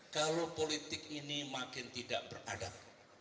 kalau politik ini makin tidak beradab